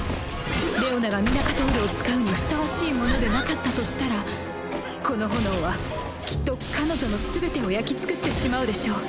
レオナがミナカトールを使うにふさわしい者でなかったとしたらこの炎はきっと彼女のすべてを焼きつくしてしまうでしょう。